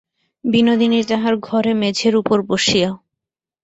বিনোদিনী তাহার ঘরে মেঝের উপর বসিয়া।